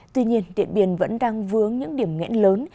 tuy nhiên điện biên vẫn đang vướng những điểm nghẽn lớn